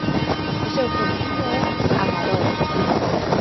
O seu feminino é Amadora.